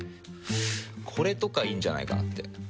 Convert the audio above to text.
これとかいいんじゃないかなって。